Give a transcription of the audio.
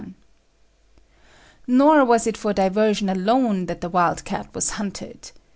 Nor was it for diversion alone that the wild cat was hunted.